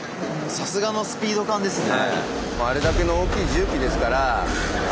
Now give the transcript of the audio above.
さすがのスピード感ですね。